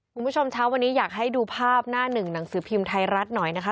คุณผู้ชมเช้าวันนี้อยากให้ดูภาพหน้าหนึ่งหนังสือพิมพ์ไทยรัฐหน่อยนะคะ